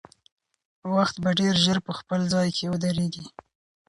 وخت به ډېر ژر په خپل ځای کې ودرېږي.